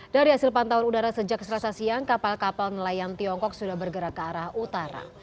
dari hasil pantauan udara sejak selasa siang kapal kapal nelayan tiongkok sudah bergerak ke arah utara